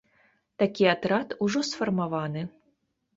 Такі атрад ужо сфармаваны.